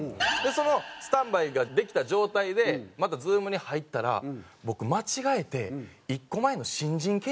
そのスタンバイができた状態でまたＺｏｏｍに入ったら僕間違えて１個前の新人研修の方入ってしもうて。